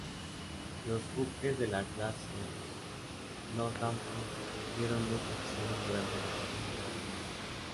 Los buques de la clase Northampton vieron mucha acción durante la Segunda Guerra Mundial.